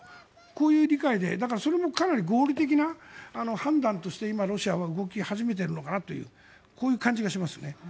こういう理解でそれもかなり合理的な判断として今、ロシアは動き始めているのかなというこういう感じがしますよね。